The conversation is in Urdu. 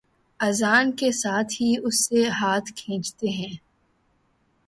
اذان کے ساتھ ہی اس سے ہاتھ کھینچتے ہیں